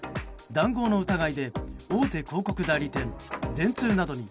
談合の疑いで大手広告代理店、電通などに